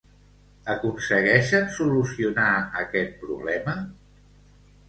Aconsegueixen solucionar aquest problema?